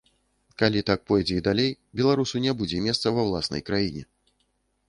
Калі так пойдзе і далей, беларусу не будзе месца ва ўласнай краіне.